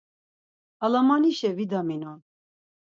Alamanişa vidaminon.